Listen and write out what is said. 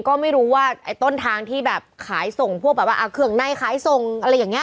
ก็ไม่รู้ว่าไอ้ต้นทางที่แบบขายส่งพวกแบบว่าเครื่องในขายส่งอะไรอย่างนี้